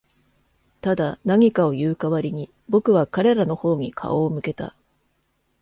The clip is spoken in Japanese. ただ、何かを言う代わりに、僕は彼らの方に顔を向けた。